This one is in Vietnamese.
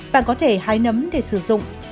bạn có thể hái nấm để sử dụng